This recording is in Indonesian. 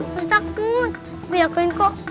terus takut gue yakuin kok